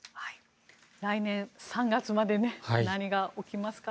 来年３月まで何が起きますか。